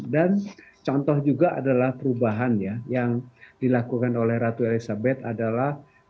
dan contoh juga adalah perubahan ya yang dilakukan oleh ratu elizabeth adalah